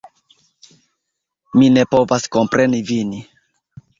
Mi ne povas kompreni vin.